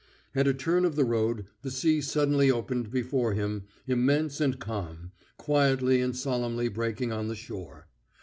At a turn of the road the sea suddenly opened before him, immense and calm, quietly and solemnly breaking on the shore.